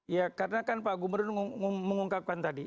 ya karena kan pak gubernur mengungkapkan tadi